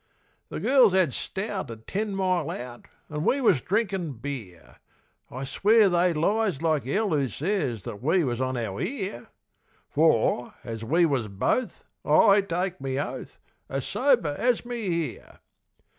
The girls 'ad stout at ten mile out, An' we was drinkin' beer. I swear they lies like 'ell who ses That we was on our ear! For, or we was both, I take me oath, As sober as me here.